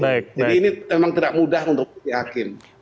jadi ini memang tidak mudah untuk diakini